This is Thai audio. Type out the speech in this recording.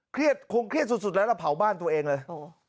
คงเครียดสุดแล้วแล้วเผาบ้านตัวเองเลย